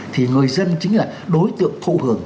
thì người dân chính là đối tượng thụ hưởng